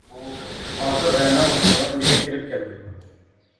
ئاخىر رەنا ئولتۇرغان ئۆيگە كىرىپ كەلدىم.